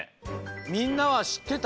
みんなはしってた？